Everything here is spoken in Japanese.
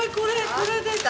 これです！